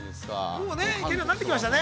◆もうね、行けるようになってきましたね。